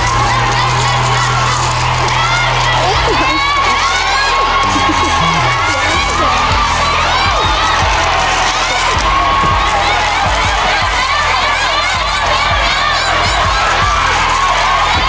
สิบห้าเธอ